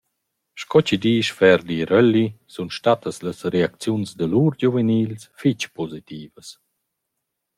Sco chi disch Ferdy Rölli sun stattas las reacziuns da lur giuvenils fich positivas.